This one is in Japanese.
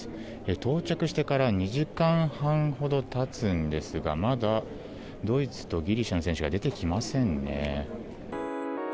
到着してから２時間半ほど経つんですがまだドイツとギリシャの選手が出てきませんね。